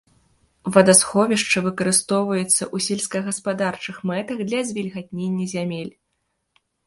Вадасховішча выкарыстоўваецца ў сельскагаспадарчых мэтах для звільгатнення зямель.